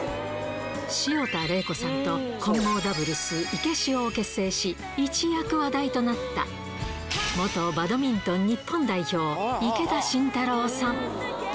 潮田玲子さんと混合ダブルス、イケシオを結成し、一躍話題となった、元バドミントン日本代表、池田信太郎さん。